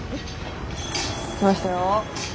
きましたよ。